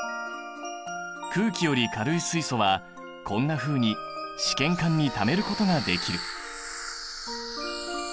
空気より軽い水素はこんなふうに試験管にためることができる。